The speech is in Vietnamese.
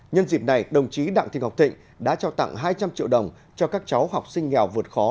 nhân dịp này đồng chí đặng thị ngọc thịnh đã trao tặng hai trăm linh triệu đồng cho các cháu học sinh nghèo vượt khó